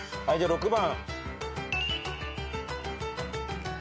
６番。